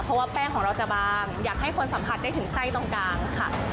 เพราะว่าแป้งของเราจะบางอยากให้คนสัมผัสได้ถึงไส้ตรงกลางค่ะ